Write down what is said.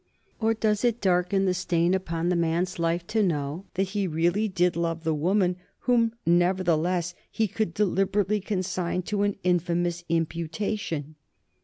Or does it darken the stain upon the man's life to know that he really did love the woman whom nevertheless he could deliberately consign to an infamous imputation?